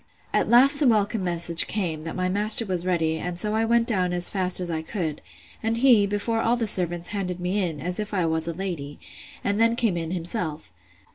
At last the welcome message came, that my master was ready; and so I went down as fast as I could; and he, before all the servants, handed me in, as if I was a lady; and then came in himself.